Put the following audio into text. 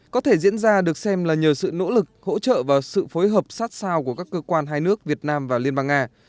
có thể diễn ra được xem là nhờ sự nỗ lực hỗ trợ và sự phối hợp sát sao của các cơ quan hai nước việt nam và liên bang nga